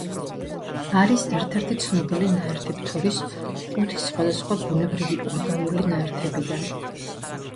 არის ერთ-ერთი ცნობილი ნაერთი ფთორის ხუთი სხვა ბუნებრივი ორგანული ნაერთებიდან.